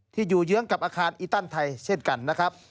อยู่เยื้องกับอาคารอีตันไทยเช่นกันนะครับ